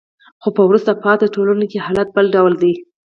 خو په وروسته پاتې ټولنو کې حالت بل ډول دی.